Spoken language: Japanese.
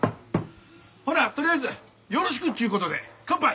ほんならとりあえずよろしくっちゅう事で乾杯！